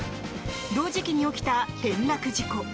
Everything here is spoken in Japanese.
同時期に起きた転落事故。